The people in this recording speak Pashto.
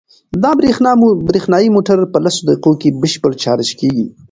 دا برېښنايي موټر په لسو دقیقو کې بشپړ چارج کیږي.